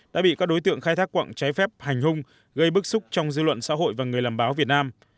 đã bị các đối tượng khai thác quạng trái phép hành hung gây bức xúc trong dư luận xã hội và người làm báo việt nam